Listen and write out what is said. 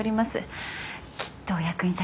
きっとお役に立てると思います。